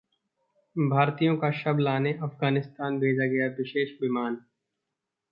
भारतीयों का शव लाने अफगानिस्तान भेजा गया विशेष विमान